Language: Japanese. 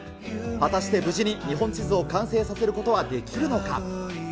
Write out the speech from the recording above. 果たして無事に日本地図を完成させることはできるのか。